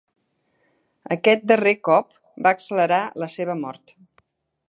Aquest darrer cop va accelerar la seva mort.